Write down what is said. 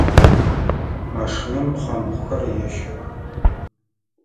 Машинэм пхъэмбгъухэр ещэх.